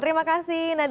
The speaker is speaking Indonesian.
terima kasih nadia